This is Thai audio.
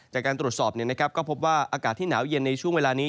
จากการตรวจสอบก็พบว่าอากาศที่หนาวเย็นในช่วงเวลานี้